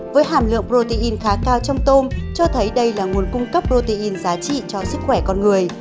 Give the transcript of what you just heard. với hàm lượng protein khá cao trong tôm cho thấy đây là nguồn cung cấp protein giá trị cho sức khỏe con người